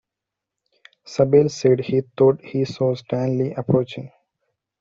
Sabel said he thought he saw Stanley approaching.